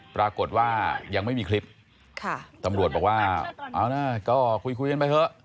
ปรากฏว่ายังไม่มีคลิปตำรวจบอกว่าเอานะก็คุยกันไปเถอะ